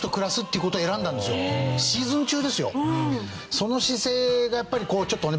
その姿勢がやっぱりこうちょっとね